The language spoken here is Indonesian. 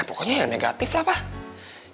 ya pokoknya ya negatif lah pak